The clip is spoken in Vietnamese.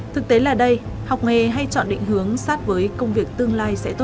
thực tế là đây học nghề hay chọn định hướng sát với công việc tương lai sẽ tốt hơn